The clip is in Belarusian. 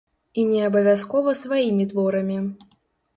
І не абавязкова сваімі творамі.